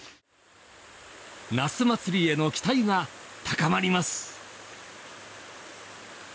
ナスまつりへの期待が高まります。